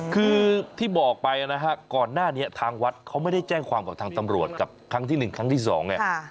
คือที่บอกไปนะฮะก่อนหน้านี้ทางวัดเขาไม่ได้แจ้งความกับทางตำรวจกับครั้งที่๑ครั้งที่สองไง